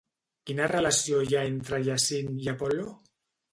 Quina relació hi ha entre Jacint i Apol·lo?